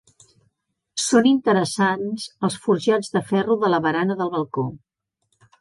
Són interessants els forjats de ferro de la barana del balcó.